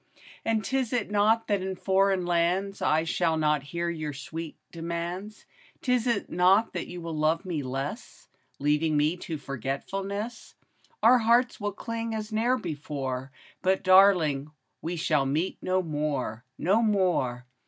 And 't is not that in foreign lands I shall not hear your sweet demands, 'T is not that you will love me less. Leaving me to forgetfulness, — Our hearts will cling as ne'er before, But, darling, we shall meet no more, No more